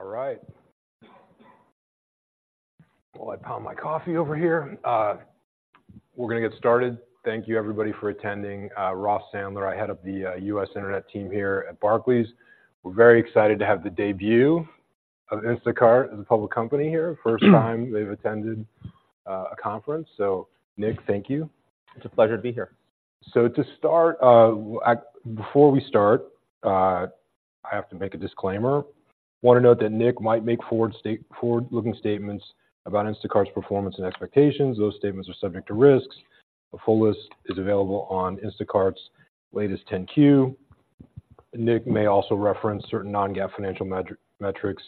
All right. While I pound my coffee over here, we're going to get started. Thank you, everybody, for attending. Ross Sandler, I head up the U.S. Internet team here at Barclays. We're very excited to have the debut of Instacart as a public company here. First time they've attended a conference. So Nick, thank you. It's a pleasure to be here. To start, before we start, I have to make a disclaimer. Want to note that Nick might make forward-looking statements about Instacart's performance and expectations. Those statements are subject to risks. A full list is available on Instacart's latest 10-Q. Nick may also reference certain non-GAAP financial metric, metrics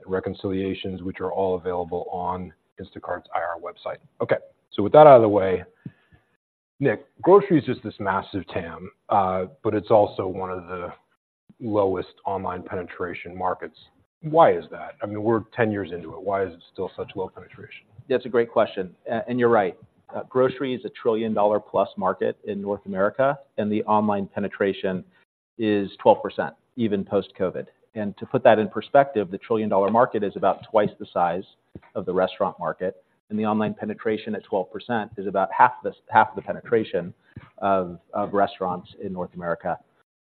and reconciliations, which are all available on Instacart's IR website. Okay, so with that out of the way, Nick, grocery is just this massive TAM, but it's also one of the lowest online penetration markets. Why is that? I mean, we're ten years into it. Why is it still such low penetration? That's a great question, and you're right. Grocery is a $1 trillion-plus market in North America, and the online penetration is 12%, even post-COVID. And to put that in perspective, the $1 trillion market is about twice the size of the restaurant market, and the online penetration at 12% is about half the penetration of restaurants in North America.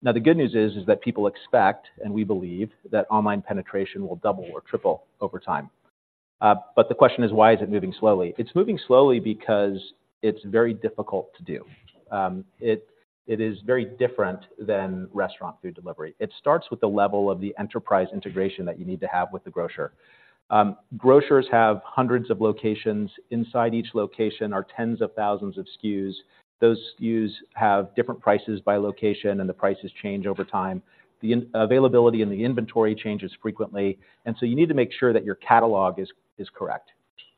Now, the good news is that people expect, and we believe, that online penetration will double or triple over time. But the question is, why is it moving slowly? It's moving slowly because it's very difficult to do. It is very different than restaurant food delivery. It starts with the level of the enterprise integration that you need to have with the grocer. Grocers have hundreds of locations. Inside each location are tens of thousands of SKUs. Those SKUs have different prices by location, and the prices change over time. The availability and the inventory changes frequently, and so you need to make sure that your catalog is correct.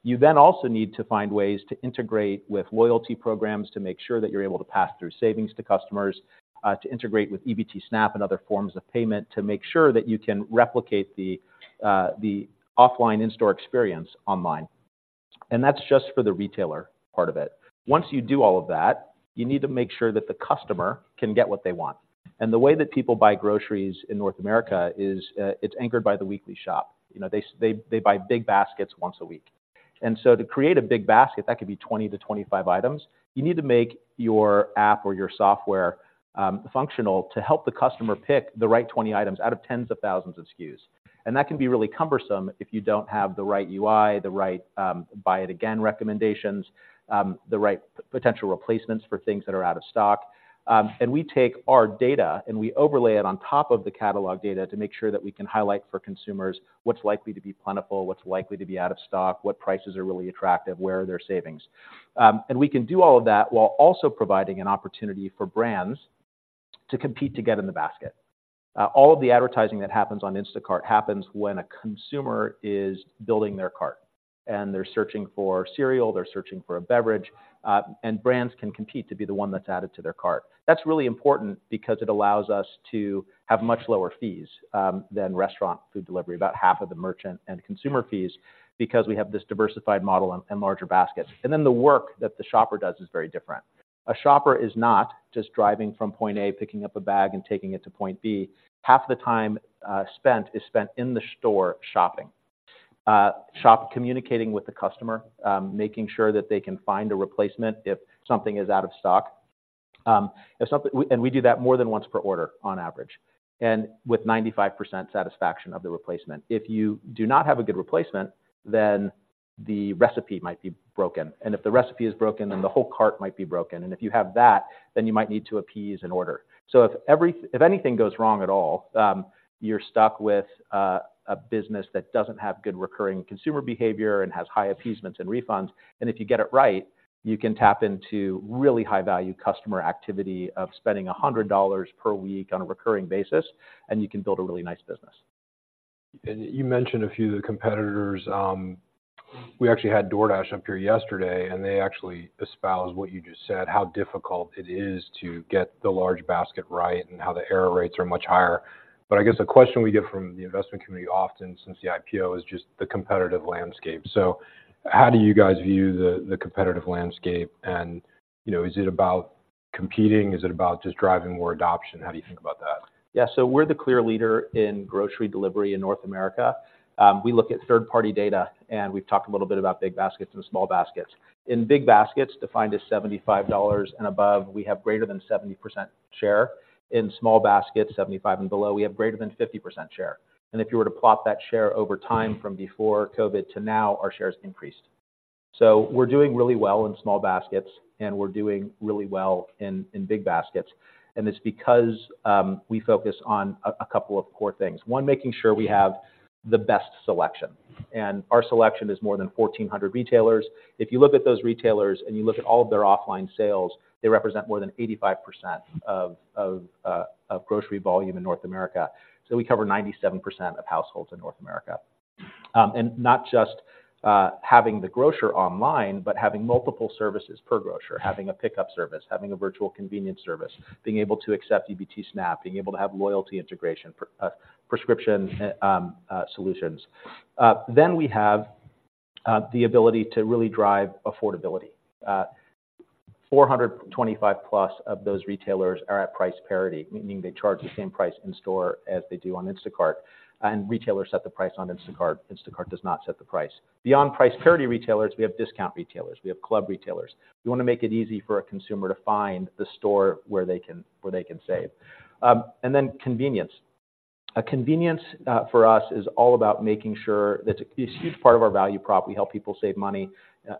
You then also need to find ways to integrate with loyalty programs to make sure that you're able to pass through savings to customers, to integrate with EBT SNAP and other forms of payment, to make sure that you can replicate the offline in-store experience online, and that's just for the retailer part of it. Once you do all of that, you need to make sure that the customer can get what they want. The way that people buy groceries in North America is, it's anchored by the weekly shop. You know, they buy big baskets once a week. So to create a big basket, that could be 20-25 items, you need to make your app or your software functional to help the customer pick the right 20 items out of tens of thousands of SKUs. And that can be really cumbersome if you don't have the right UI, the right buy it again recommendations, the right potential replacements for things that are out of stock. And we take our data, and we overlay it on top of the catalog data to make sure that we can highlight for consumers what's likely to be plentiful, what's likely to be out of stock, what prices are really attractive, where are there savings. And we can do all of that while also providing an opportunity for brands to compete to get in the basket. All of the advertising that happens on Instacart happens when a consumer is building their cart, and they're searching for cereal, they're searching for a beverage, and brands can compete to be the one that's added to their cart. That's really important because it allows us to have much lower fees than restaurant food delivery, about half of the merchant and consumer fees, because we have this diversified model and larger baskets. Then the work that the shopper does is very different. A shopper is not just driving from point A, picking up a bag, and taking it to point B. Half the time spent is spent in the store shopping, shopper communicating with the customer, making sure that they can find a replacement if something is out of stock. And we do that more than once per order on average, and with 95% satisfaction of the replacement. If you do not have a good replacement, then the recipe might be broken, and if the recipe is broken, then the whole cart might be broken. And if you have that, then you might need to appease an order. So if anything goes wrong at all, you're stuck with a business that doesn't have good recurring consumer behavior and has high appeasements and refunds, and if you get it right, you can tap into really high-value customer activity of spending $100 per week on a recurring basis, and you can build a really nice business. You mentioned a few of the competitors. We actually had DoorDash up here yesterday, and they actually espoused what you just said, how difficult it is to get the large basket right and how the error rates are much higher. But I guess the question we get from the investment community often since the IPO is just the competitive landscape. So how do you guys view the competitive landscape? And, you know, is it about competing? Is it about just driving more adoption? How do you think about that? Yeah. So we're the clear leader in grocery delivery in North America. We look at third-party data, and we've talked a little bit about big baskets and small baskets. In big baskets, defined as $75 and above, we have greater than 70% share. In small baskets, $75 and below, we have greater than 50% share. And if you were to plot that share over time from before COVID to now, our shares increased. So we're doing really well in small baskets, and we're doing really well in big baskets, and it's because we focus on a couple of core things. One, making sure we have the best selection, and our selection is more than 1,400 retailers. If you look at those retailers, and you look at all of their offline sales, they represent more than 85% of grocery volume in North America. So we cover 97% of households in North America. And not just having the grocer online, but having multiple services per grocer, having a pickup service, having a virtual convenience service, being able to accept EBT SNAP, being able to have loyalty integration, prescription solutions. Then we have the ability to really drive affordability. 425+ of those retailers are at price parity, meaning they charge the same price in store as they do on Instacart, and retailers set the price on Instacart. Instacart does not set the price. Beyond price parity retailers, we have discount retailers, we have club retailers. We want to make it easy for a consumer to find the store where they can, where they can save. And then convenience. Convenience, for us is all about making sure that it's a huge part of our value prop. We help people save money.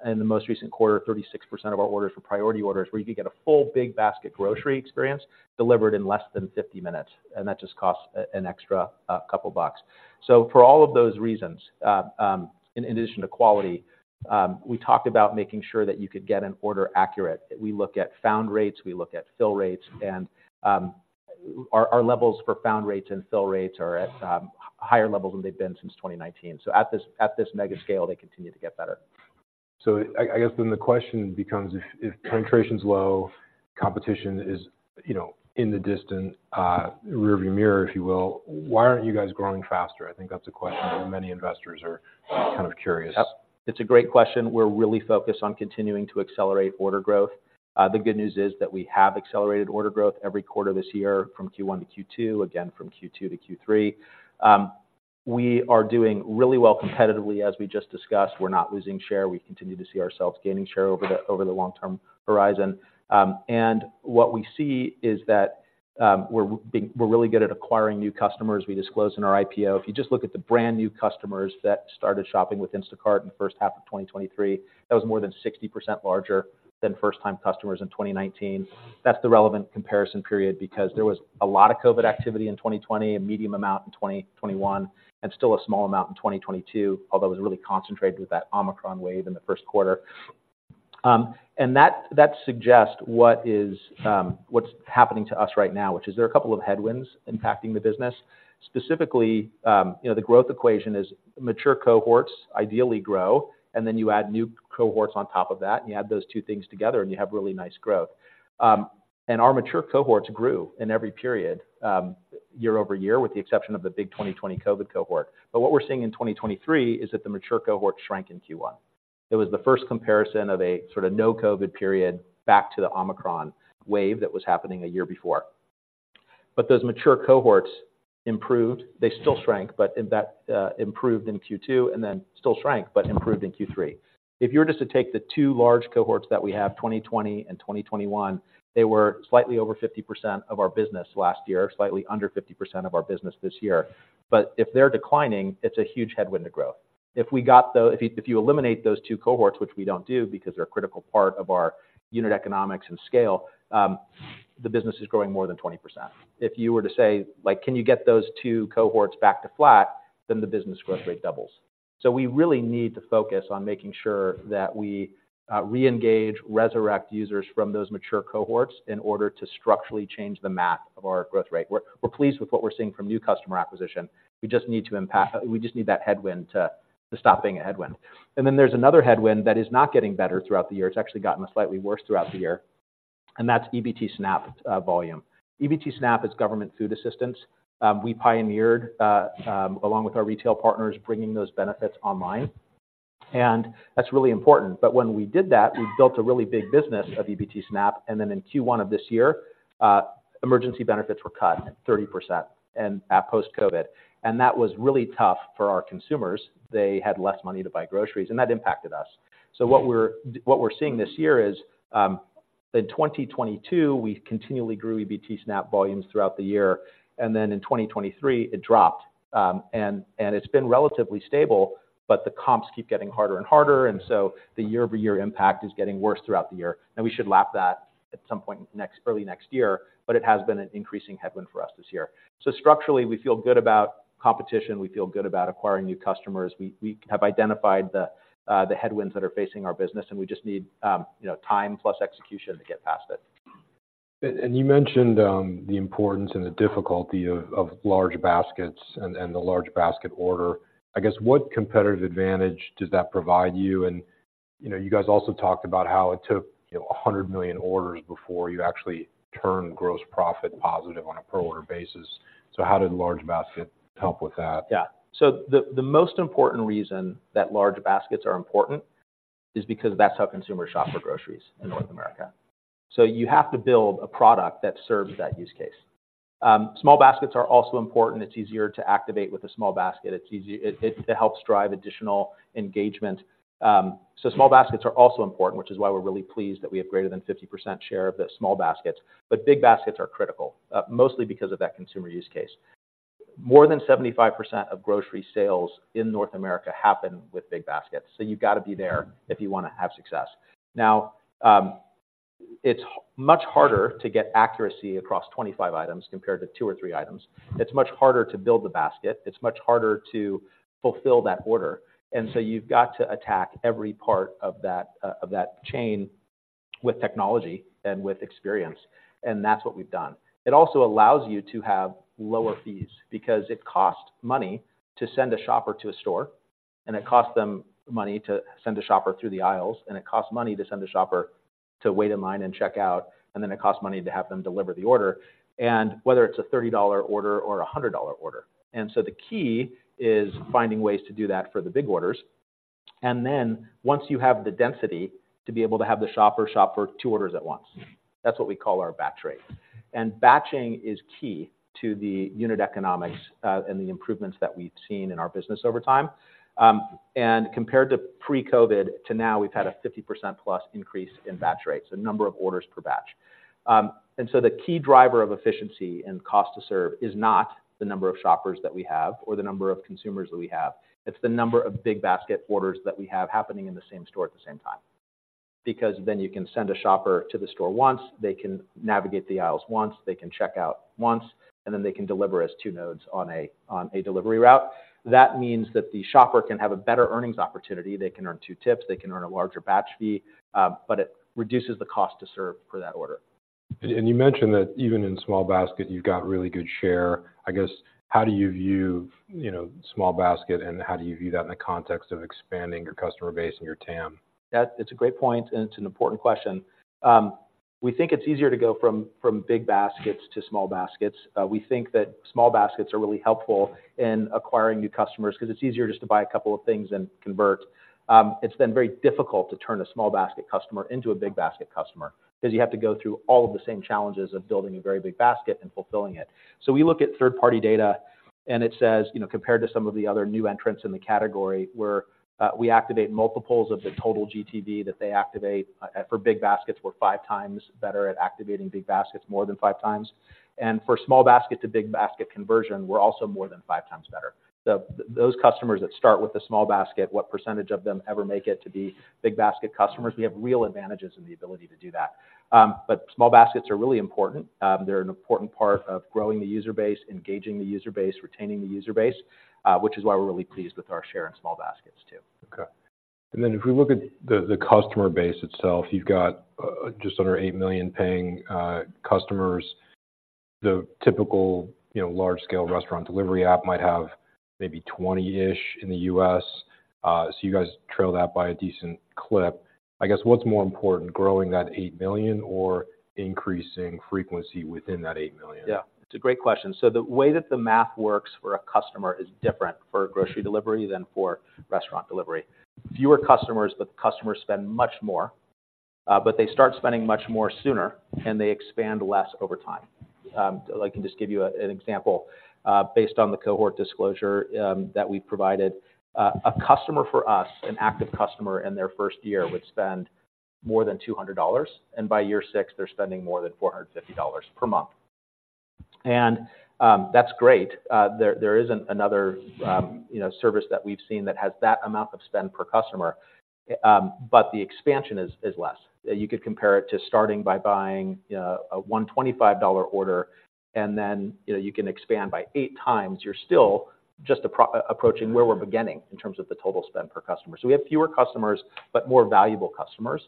In the most recent quarter, 36% of our orders were priority orders, where you could get a full big basket grocery experience delivered in less than 50 minutes, and that just costs an extra couple bucks. So for all of those reasons, in addition to quality, we talked about making sure that you could get an order accurate. We look at found rates, we look at fill rates, and our levels for found rates and fill rates are at higher levels than they've been since 2019. At this mega scale, they continue to get better. So I guess then the question becomes, if penetration's low, competition is, you know, in the distant rearview mirror, if you will, why aren't you guys growing faster? I think that's a question that many investors are kind of curious. Yep, it's a great question. We're really focused on continuing to accelerate order growth. The good news is that we have accelerated order growth every quarter this year from Q1 to Q2, again from Q2 to Q3. We are doing really well competitively. As we just discussed, we're not losing share. We continue to see ourselves gaining share over the long-term horizon. And what we see is that we're really good at acquiring new customers. We disclosed in our IPO, if you just look at the brand-new customers that started shopping with Instacart in the first half of 2023, that was more than 60% larger than first-time customers in 2019. That's the relevant comparison period, because there was a lot of COVID activity in 2020, a medium amount in 2021, and still a small amount in 2022, although it was really concentrated with that Omicron wave in the first quarter. And that suggests what's happening to us right now, which is there are a couple of headwinds impacting the business. Specifically, you know, the growth equation is mature cohorts ideally grow, and then you add new cohorts on top of that, and you add those two things together, and you have really nice growth. And our mature cohorts grew in every period, year-over-year, with the exception of the big 2020 COVID cohort. But what we're seeing in 2023 is that the mature cohort shrank in Q1. It was the first comparison of a sort of no COVID period back to the Omicron wave that was happening a year before. But those mature cohorts improved. They still shrank, but in that, improved in Q2 and then still shrank, but improved in Q3. If you were just to take the two large cohorts that we have, 2020 and 2021, they were slightly over 50% of our business last year, slightly under 50% of our business this year. But if they're declining, it's a huge headwind to growth. If, if you eliminate those two cohorts, which we don't do because they're a critical part of our unit economics and scale, the business is growing more than 20%. If you were to say, like, "Can you get those two cohorts back to flat?" Then the business growth rate doubles. So we really need to focus on making sure that we re-engage, resurrect users from those mature cohorts in order to structurally change the math of our growth rate. We're pleased with what we're seeing from new customer acquisition. We just need to impact. We just need that headwind to stop being a headwind. And then there's another headwind that is not getting better throughout the year. It's actually gotten slightly worse throughout the year, and that's EBT SNAP volume. EBT SNAP is government food assistance. We pioneered along with our retail partners, bringing those benefits online, and that's really important. But when we did that, we built a really big business of EBT SNAP, and then in Q1 of this year, emergency benefits were cut 30% and post-COVID, and that was really tough for our consumers. They had less money to buy groceries, and that impacted us. So what we're seeing this year is, in 2022, we continually grew EBT SNAP volumes throughout the year, and then in 2023, it dropped. And it's been relatively stable, but the comps keep getting harder and harder, and so the year-over-year impact is getting worse throughout the year, and we should lap that at some point early next year, but it has been an increasing headwind for us this year. So structurally, we feel good about competition. We feel good about acquiring new customers. We have identified the headwinds that are facing our business, and we just need, you know, time plus execution to get past it. And you mentioned the importance and the difficulty of large baskets and the large basket order. I guess, what competitive advantage does that provide you? And, you know, you guys also talked about how it took, you know, 100 million orders before you actually turned gross profit positive on a per-order basis. So how did large basket help with that? Yeah. The most important reason that large baskets are important is because that's how consumers shop for groceries in North America. So you have to build a product that serves that use case. Small baskets are also important. It's easier to activate with a small basket. It helps drive additional engagement. So small baskets are also important, which is why we're really pleased that we have greater than 50% share of the small baskets. But big baskets are critical, mostly because of that consumer use case. More than 75% of grocery sales in North America happen with big baskets, so you've got to be there if you want to have success. Now, it's much harder to get accuracy across 25 items compared to two or three items. It's much harder to build the basket. It's much harder to fulfill that order, and so you've got to attack every part of that, of that chain with technology and with experience, and that's what we've done. It also allows you to have lower fees, because it costs money to send a shopper to a store, and it costs them money to send a shopper through the aisles, and it costs money to send a shopper to wait in line and check out, and then it costs money to have them deliver the order, and whether it's a $30 order or a $100 order. So the key is finding ways to do that for the big orders... Then once you have the density to be able to have the shopper shop for two orders at once, that's what we call our batch rate. Batching is key to the unit economics and the improvements that we've seen in our business over time. Compared to pre-COVID to now, we've had a 50%+ increase in batch rates, so number of orders per batch. So the key driver of efficiency and cost to serve is not the number of shoppers that we have or the number of consumers that we have. It's the number of big basket orders that we have happening in the same store at the same time, because then you can send a shopper to the store once, they can navigate the aisles once, they can check out once, and then they can deliver as two nodes on a delivery route. That means that the shopper can have a better earnings opportunity. They can earn two tips, they can earn a larger batch fee, but it reduces the cost to serve for that order. And you mentioned that even in small basket, you've got really good share. I guess, how do you view, you know, small basket, and how do you view that in the context of expanding your customer base and your TAM? It's a great point, and it's an important question. We think it's easier to go from big baskets to small baskets. We think that small baskets are really helpful in acquiring new customers because it's easier just to buy a couple of things than convert. It's then very difficult to turn a small basket customer into a big basket customer, 'cause you have to go through all of the same challenges of building a very big basket and fulfilling it. So we look at third-party data, and it says, you know, compared to some of the other new entrants in the category, we activate multiples of the total GTV that they activate. For big baskets, we're five times better at activating big baskets, more than five times. And for small basket to big basket conversion, we're also more than five times better. Those customers that start with the small basket, what percentage of them ever make it to be big basket customers? We have real advantages in the ability to do that. Small baskets are really important. They're an important part of growing the user base, engaging the user base, retaining the user base, which is why we're really pleased with our share in small baskets, too. Okay. And then if we look at the customer base itself, you've got just under eight million paying customers. The typical, you know, large scale restaurant delivery app might have maybe 20-ish in the U.S. So you guys trail that by a decent clip. I guess, what's more important, growing that eight million or increasing frequency within that eight million? Yeah, it's a great question. So the way that the math works for a customer is different for grocery delivery than for restaurant delivery. Fewer customers, but customers spend much more, but they start spending much more sooner, and they expand less over time. I can just give you an example. Based on the cohort disclosure that we provided, a customer for us, an active customer in their first year would spend more than $200, and by year six, they're spending more than $450 per month. And, that's great. There isn't another, you know, service that we've seen that has that amount of spend per customer, but the expansion is less. You could compare it to starting by buying a $125 order, and then, you know, you can expand by eight times. You're still just approaching where we're beginning in terms of the total spend per customer. So we have fewer customers, but more valuable customers.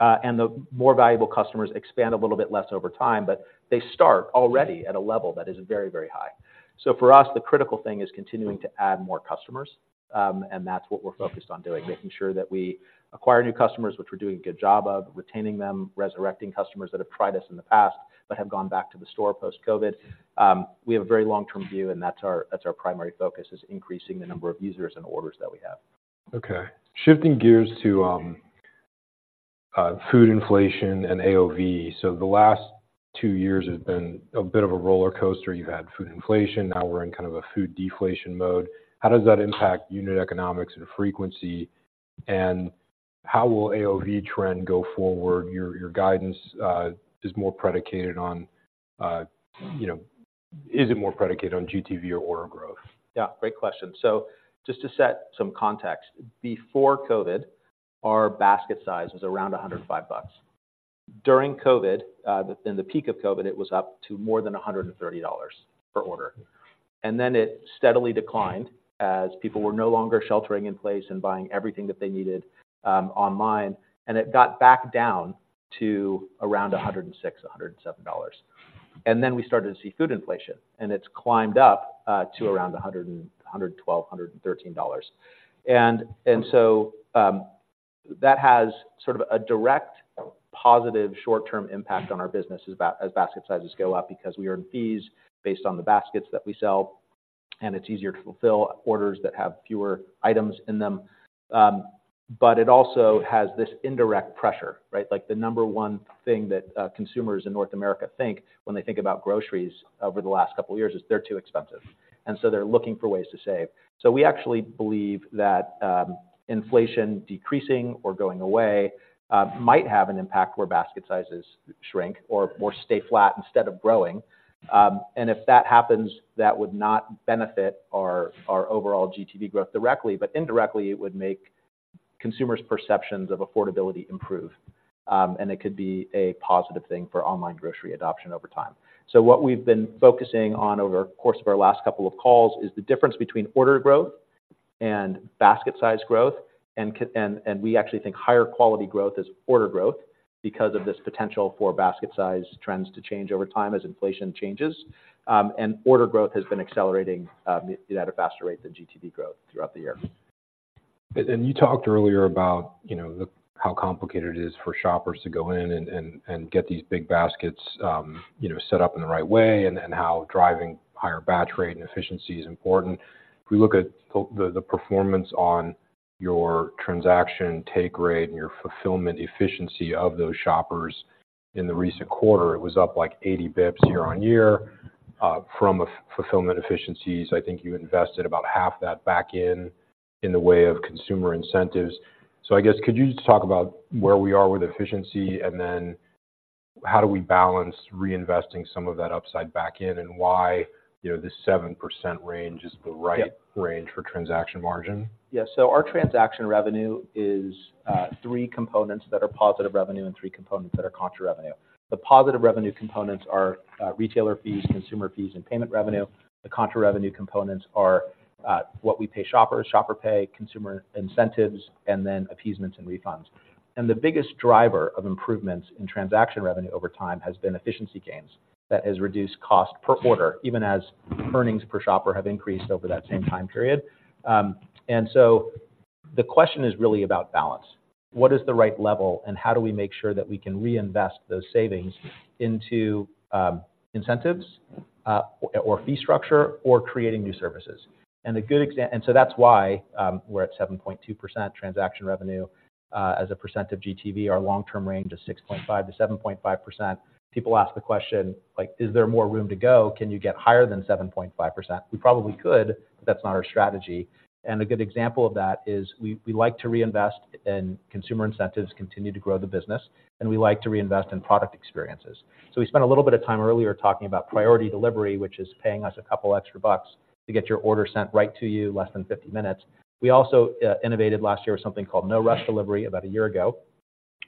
And the more valuable customers expand a little bit less over time, but they start already at a level that is very, very high. So for us, the critical thing is continuing to add more customers, and that's what we're focused on doing, making sure that we acquire new customers, which we're doing a good job of, retaining them, resurrecting customers that have tried us in the past but have gone back to the store post-COVID. We have a very long-term view, and that's our primary focus is increasing the number of users and orders that we have. Okay. Shifting gears to food inflation and AOV. So the last two years have been a bit of a roller coaster. You've had food inflation, now we're in kind of a food deflation mode. How does that impact unit economics and frequency, and how will AOV trend go forward? Your guidance is more predicated on, you know... Is it more predicated on GTV or order growth? Yeah, great question. So just to set some context, before COVID, our basket size was around $105. During COVID, in the peak of COVID, it was up to more than $130 per order. And then it steadily declined as people were no longer sheltering in place and buying everything that they needed, online, and it got back down to around $106, $107. And then we started to see food inflation, and it's climbed up, to around $112, $113. And so, that has sort of a direct positive short-term impact on our business as basket sizes go up, because we earn fees based on the baskets that we sell, and it's easier to fulfill orders that have fewer items in them. But it also has this indirect pressure, right? Like, the number one thing that consumers in North America think when they think about groceries over the last couple of years is they're too expensive, and so they're looking for ways to save. So we actually believe that inflation decreasing or going away might have an impact where basket sizes shrink or more stay flat instead of growing. And if that happens, that would not benefit our overall GTV growth directly, but indirectly, it would make consumers' perceptions of affordability improve. And it could be a positive thing for online grocery adoption over time. So what we've been focusing on over the course of our last couple of calls is the difference between order growth and basket size growth, and we actually think higher quality growth is order growth because of this potential for basket size trends to change over time as inflation changes. And order growth has been accelerating at a faster rate than GTV growth throughout the year. And you talked earlier about, you know, the how complicated it is for shoppers to go in and get these big baskets, you know, set up in the right way, and how driving higher batch rate and efficiency is important. If we look at the performance on your transaction take rate and your fulfillment efficiency of those shoppers. In the recent quarter, it was up like 80 basis points year-on-year from fulfillment efficiencies. I think you invested about half that back in the way of consumer incentives. So I guess, could you just talk about where we are with efficiency, and then how do we balance reinvesting some of that upside back in, and why, you know, the 7% range is the right range for transaction margin? Yeah. So our transaction revenue is three components that are positive revenue and three components that are contra revenue. The positive revenue components are retailer fees, consumer fees, and payment revenue. The contra revenue components are what we pay shoppers, shopper pay, consumer incentives, and then appeasements and refunds. And the biggest driver of improvements in transaction revenue over time has been efficiency gains. That has reduced cost per order, even as earnings per shopper have increased over that same time period. And so the question is really about balance. What is the right level, and how do we make sure that we can reinvest those savings into incentives or fee structure, or creating new services? And so that's why we're at 7.2% transaction revenue. As a % of GTV, our long-term range is 6.5%-7.5%. People ask the question, like: Is there more room to go? Can you get higher than 7.5%? We probably could, but that's not our strategy. A good example of that is we like to reinvest, and consumer incentives continue to grow the business, and we like to reinvest in product experiences. We spent a little bit of time earlier talking about priority delivery, which is paying us a couple extra bucks to get your order sent right to you less than 50 minutes. We also innovated last year with something called No Rush Delivery, about a year ago,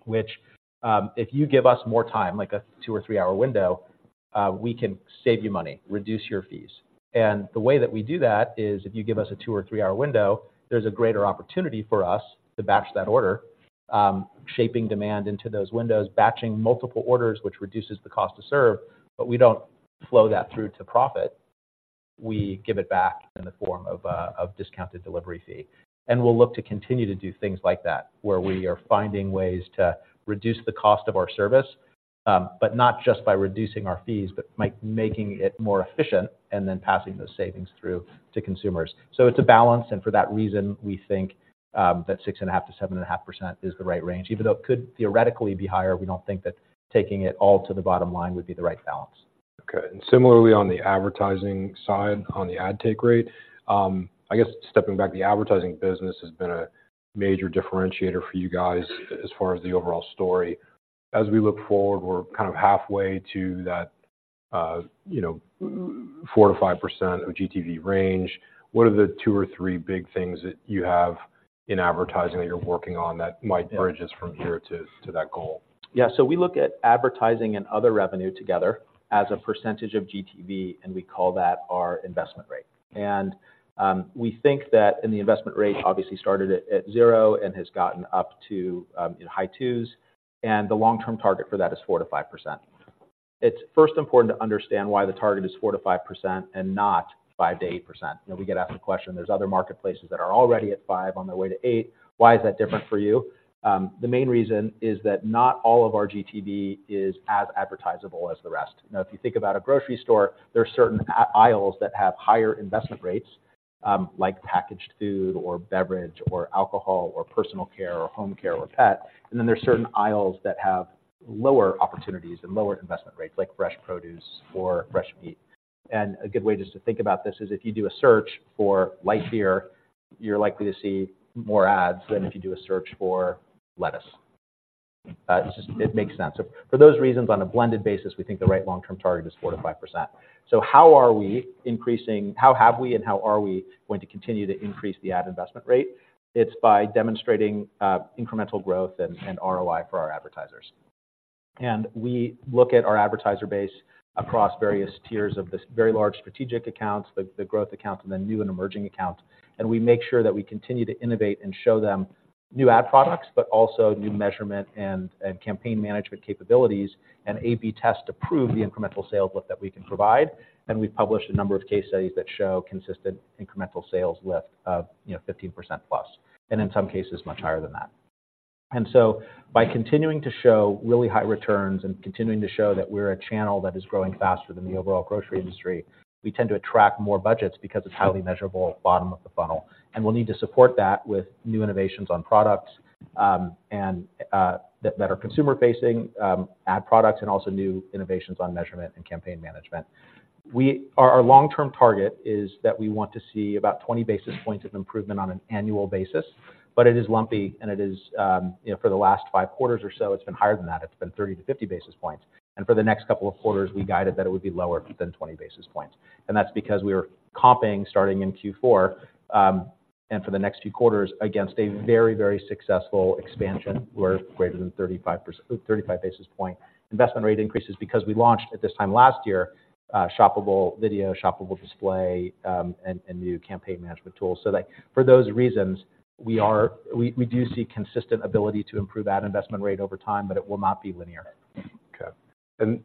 which if you give us more time, like a two- or three-hour window, we can save you money, reduce your fees. And the way that we do that is if you give us a two- or three-hour window, there's a greater opportunity for us to batch that order, shaping demand into those windows, batching multiple orders, which reduces the cost to serve. But we don't flow that through to profit, we give it back in the form of discounted delivery fee. And we'll look to continue to do things like that, where we are finding ways to reduce the cost of our service, but not just by reducing our fees, but making it more efficient and then passing those savings through to consumers. So it's a balance, and for that reason, we think that 6.5%-7.5% is the right range. Even though it could theoretically be higher, we don't think that taking it all to the bottom line would be the right balance. Okay. And similarly, on the advertising side, on the ad take rate, I guess stepping back, the advertising business has been a major differentiator for you guys as far as the overall story. As we look forward, we're kind of halfway to that, you know, 4%-5% of GTV range. What are the two or three big things that you have in advertising that you're working on that might bridge us from here to, to that goal? Yeah. So we look at advertising and other revenue together as a percentage of GTV, and we call that our investment rate. And we think that the investment rate obviously started at zero and has gotten up to, you know, high twos, and the long-term target for that is 4%-5%. It's first important to understand why the target is 4%-5% and not 5%-8%. You know, we get asked the question, there's other marketplaces that are already at 5%, on their way to 8%. Why is that different for you? The main reason is that not all of our GTV is as advertisable as the rest. Now, if you think about a grocery store, there are certain aisles that have higher investment rates, like packaged food or beverage or alcohol or personal care or home care or pet. And then there are certain aisles that have lower opportunities and lower investment rates, like fresh produce or fresh meat. And a good way just to think about this is if you do a search for light beer, you're likely to see more ads than if you do a search for lettuce. It just, it makes sense. For those reasons, on a blended basis, we think the right long-term target is 4%-5%. So how are we increasing how have we and how are we going to continue to increase the ad investment rate? It's by demonstrating, incremental growth and, and ROI for our advertisers. And we look at our advertiser base across various tiers of this very large strategic accounts, the growth accounts, and the new and emerging accounts, and we make sure that we continue to innovate and show them new ad products, but also new measurement and campaign management capabilities, and A/B test to prove the incremental sales lift that we can provide. And we've published a number of case studies that show consistent incremental sales lift of, you know, 15% plus, and in some cases, much higher than that. And so by continuing to show really high returns and continuing to show that we're a channel that is growing faster than the overall grocery industry, we tend to attract more budgets because it's highly measurable bottom of the funnel. We'll need to support that with new innovations on products and that are consumer-facing ad products, and also new innovations on measurement and campaign management. Our long-term target is that we want to see about 20 basis points of improvement on an annual basis, but it is lumpy and it is, you know, for the last five quarters or so, it's been higher than that. It's been 30-50 basis points, and for the next couple of quarters, we guided that it would be lower than 20 basis points. And that's because we were comping, starting in Q4, and for the next few quarters, against a very, very successful expansion, where greater than 35%—35 basis point investment rate increases because we launched at this time last year, shoppable video, shoppable display, and new campaign management tools. So that for those reasons, we do see consistent ability to improve ad investment rate over time, but it will not be linear. Okay. And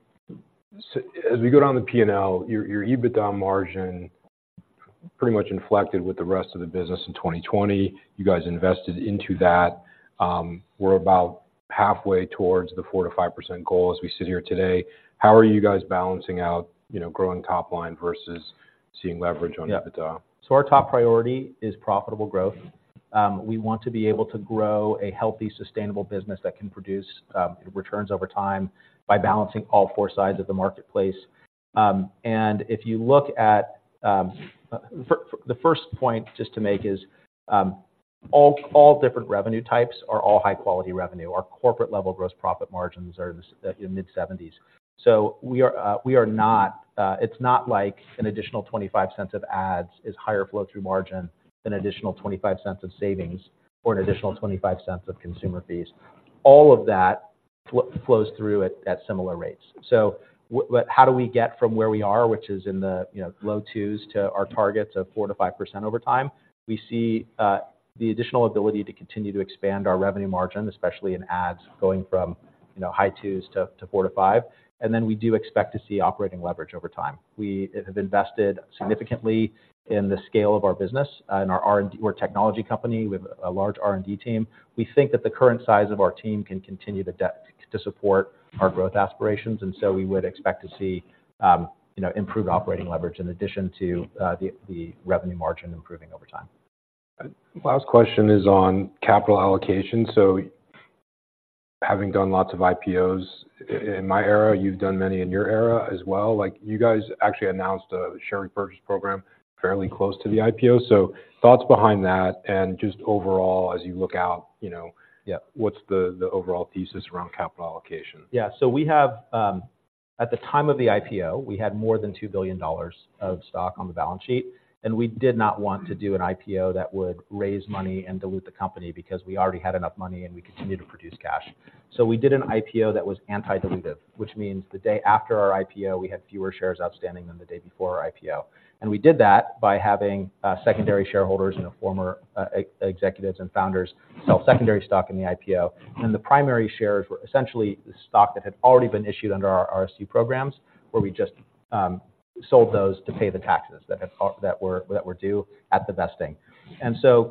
as we go down the P&L, your, your EBITDA margin pretty much inflected with the rest of the business in 2020. You guys invested into that. We're about halfway towards the 4%-5% goal as we sit here today. How are you guys balancing out, you know, growing top line versus seeing leverage on EBITDA? Yeah. So our top priority is profitable growth. We want to be able to grow a healthy, sustainable business that can produce returns over time by balancing all four sides of the marketplace. And if you look at the first point just to make is, all, all different revenue types are all high-quality revenue. Our corporate-level gross profit margins are in the mid-70s. So we are, we are not, it's not like an additional $0.25 of ads is higher flow through margin than additional $0.25 of savings or an additional $0.25 of consumer fees. All of that flows through at similar rates. So but how do we get from where we are, which is in the, you know, low twos, to our target of 4%-5% over time? We see the additional ability to continue to expand our revenue margin, especially in ads going from, you know, high twos to four-five. And then we do expect to see operating leverage over time. We have invested significantly in the scale of our business and our R&D. We're a technology company. We have a large R&D team. We think that the current size of our team can continue to support our growth aspirations, and so we would expect to see, you know, improved operating leverage in addition to the revenue margin improving over time. Last question is on capital allocation. So having done lots of IPOs in my era, you've done many in your era as well. Like, you guys actually announced a share repurchase program fairly close to the IPO. So thoughts behind that, and just overall, as you look out, you know, yeah, what's the overall thesis around capital allocation? Yeah. So we have at the time of the IPO, we had more than $2 billion of stock on the balance sheet, and we did not want to do an IPO that would raise money and dilute the company because we already had enough money and we continued to produce cash. So we did an IPO that was anti-dilutive, which means the day after our IPO, we had fewer shares outstanding than the day before our IPO. And we did that by having secondary shareholders and former ex-executives and founders sell secondary stock in the IPO. And the primary shares were essentially the stock that had already been issued under our RSU programs, where we just sold those to pay the taxes that were due at the vesting.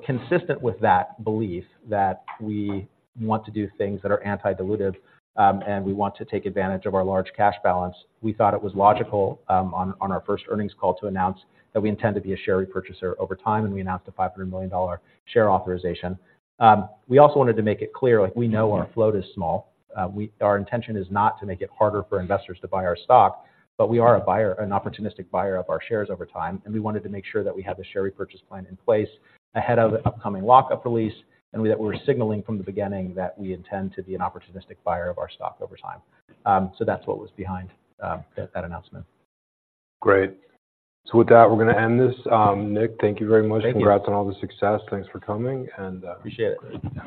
Consistent with that belief that we want to do things that are anti-dilutive, and we want to take advantage of our large cash balance, we thought it was logical, on our first earnings call, to announce that we intend to be a share repurchaser over time, and we announced a $500 million share authorization. We also wanted to make it clear, like, we know our float is small. Our intention is not to make it harder for investors to buy our stock, but we are a buyer, an opportunistic buyer of our shares over time, and we wanted to make sure that we had the share repurchase plan in place ahead of the upcoming lock-up release, and that we were signaling from the beginning that we intend to be an opportunistic buyer of our stock over time. So that's what was behind that announcement. Great. So with that, we're going to end this. Nick, thank you very much. Thank you. Congrats on all the success. Thanks for coming and, Appreciate it.